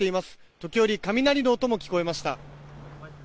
時折雷の音も聞こえました。